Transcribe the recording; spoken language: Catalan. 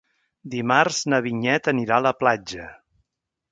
Dimarts na Vinyet anirà a la platja.